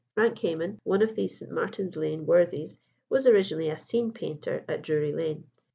Frank Hayman, one of these St. Martin's Lane worthies, was originally a scene painter at Drury Lane.